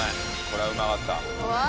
これはうまかったわあ！